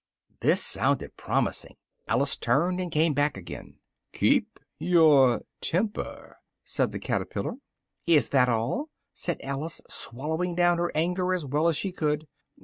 This sounded promising: Alice turned and came back again. "Keep your temper," said the caterpillar. "Is that all?" said Alice, swallowing down her anger as well as she could.